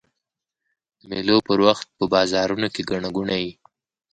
د مېلو پر وخت په بازارو کښي ګڼه ګوڼه يي.